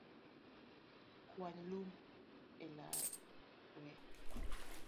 Kwany lum e liare